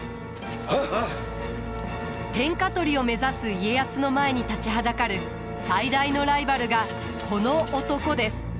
天下取りを目指す家康の前に立ちはだかる最大のライバルがこの男です。